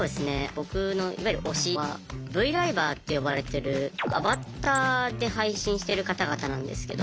僕のいわゆる推しはＶライバーって呼ばれてるアバターで配信してる方々なんですけど。